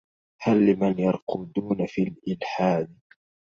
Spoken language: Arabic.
هل لمن يرقدون في الالحاد